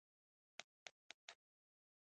د پیرودونکي قناعت د هر تجارت ځواک دی.